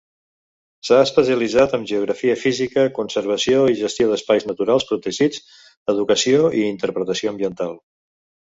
S'ha especialitzat en geografia física, conservació i gestió d'espais naturals protegits, Educació i Interpretació ambiental.